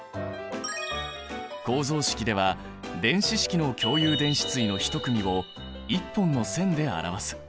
構造式では電子式の共有電子対の１組を１本の線で表す。